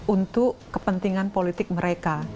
untuk kepentingan politik mereka